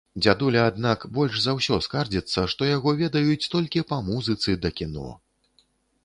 Дзядуля, аднак, больш за ўсё скардзіцца, што яго ведаюць толькі па музыцы да кіно.